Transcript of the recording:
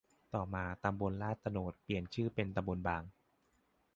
ต่อมา ตำบลลาดโตนดเปลี่ยนชื่อเป็น ตำบลบาง